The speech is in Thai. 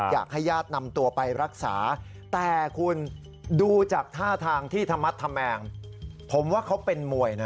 อยากให้ญาตินำตัวไปรักษาแต่คุณดูจากท่าทางที่ธรรมดธแมงผมว่าเขาเป็นมวยนะ